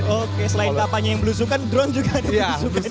oke selain kapanya yang melusukan drone juga ada yang melusukan